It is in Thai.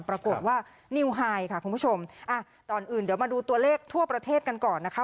ปรากฏว่านิวไฮค่ะคุณผู้ชมอ่ะก่อนอื่นเดี๋ยวมาดูตัวเลขทั่วประเทศกันก่อนนะคะ